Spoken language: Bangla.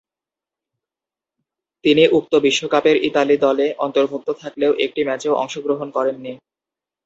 তিনি উক্ত বিশ্বকাপের ইতালি দলে অন্তর্ভুক্ত থাকলেও একটি ম্যাচেও অংশগ্রহণ করেননি।